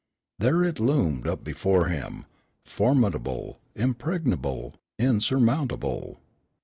There it loomed up before him, formidable, impregnable, insurmountable.